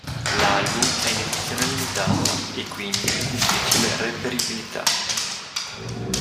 L'album è in edizione limitata e quindi di difficile reperibilità.